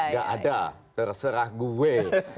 gak ada terserah gue